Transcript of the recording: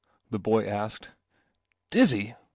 ' the boy asked. " Dizzy